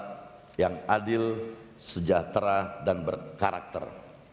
ini terwujudnya jawa barat yang adil sejahtera dan berkarakter